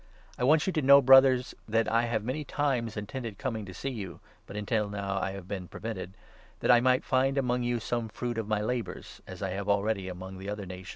I want you to know, 13 Brothers, that I have many times intended coming to see you — but until now I have been prevented — that I might find among you some fruit of my labours, as I have already among the other nations.